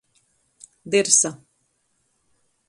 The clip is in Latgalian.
Dyrsa.